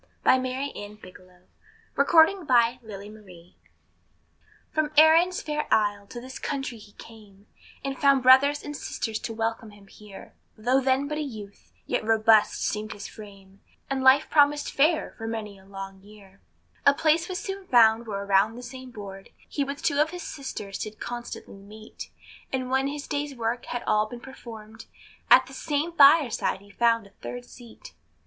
From Erin's fair Isle to this country he came, And found brothers and sisters to welcome him here; Though then but a youth, yet robust seemed his frame, And life promised fair for many a long year. A place was soon found where around the same board, He with two of his sisters did constantly meet; And when his day's work had all been performed, At the same fireside he found a third seat.